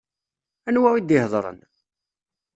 Anwa i d-ihedṛen?